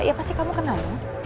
ya pasti kamu kenal